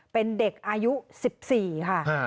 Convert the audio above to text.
เป็นเด็กอายุสิบสี่ค่ะอ่า